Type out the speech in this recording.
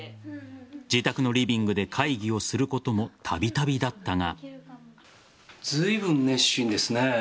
自宅のリビングで会議をすることもたびたびだったが。